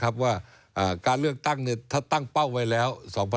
ก็การเลือกตั้งนี้ถ้าเมาไปแล้ว๒๖๖๑